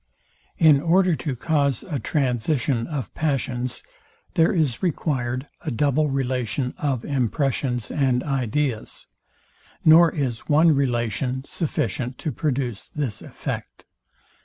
In order to cause a transition of passions, there is required a double relation of impressions and ideas, nor is one relation sufficient to produce this effect.